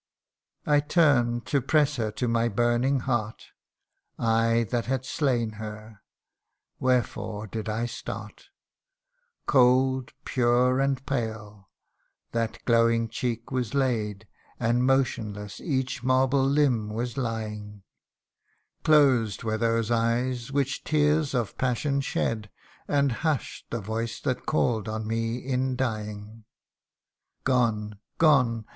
I turn'd to press her to my burning heart I that had slain her Wherefore did I start ? Cold, pure, and pale, that glowing cheek was laid, And motionless each marble limb was lying ; Closed were those eyes which tears of passion shed, And hush'd the voice that call'd on me in dying. Gone ! gone